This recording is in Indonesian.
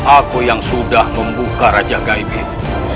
aku yang sudah membuka raja gaibin